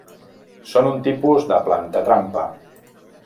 Són un tipus de planta trampa.